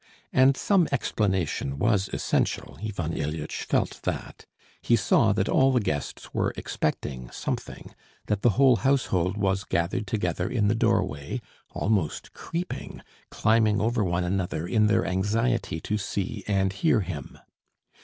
And some explanation was essential, Ivan Ilyitch felt that; he saw that all the guests were expecting something, that the whole household was gathered together in the doorway, almost creeping, climbing over one another in their anxiety to see and hear him.